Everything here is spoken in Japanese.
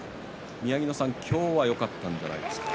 宮城野さん今日はよかったんじゃないですか。